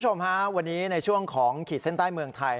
คุณผู้ชมฮะวันนี้ในช่วงของขีดเส้นใต้เมืองไทย